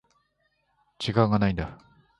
時間がないんだ。